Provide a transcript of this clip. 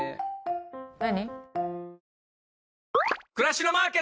何？